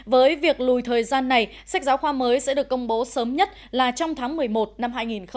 với việc lùi thời gian này sách giáo khoa mới sẽ được công bố sớm nhất là trong tháng một mươi một năm hai nghìn hai mươi